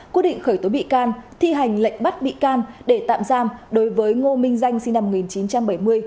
quyết định khởi tố bị can thi hành lệnh bắt bị can để tạm giam đối với ngô minh danh sinh năm một nghìn chín trăm bảy mươi